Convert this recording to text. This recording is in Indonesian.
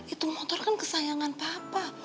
itu motor kan kesayangan papa